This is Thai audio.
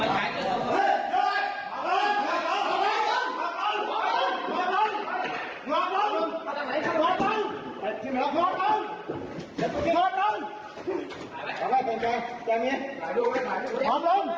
มากี่คน